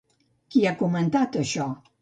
Qui ha comentat això?